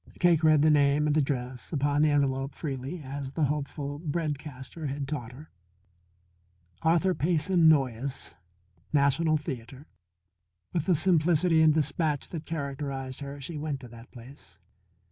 Cake read the name and address upon the envelope freely as the hopeful bread caster had taught her: Arthur Payson Noyes, National Theatre. With the simplicity and dispatch that characterized her, she went to that place.